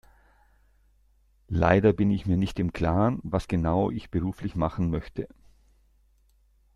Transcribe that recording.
Leider bin ich mir nicht im Klaren, was genau ich beruflich machen möchte.